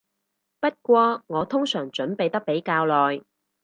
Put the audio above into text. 不過我通常準備得比較耐